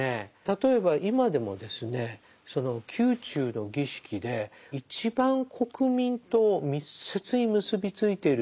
例えば今でもですねその宮中の儀式で一番国民と密接に結び付いているのは歌会始なんですね。